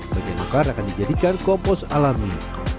bagian akar akan dijadikan kompos alami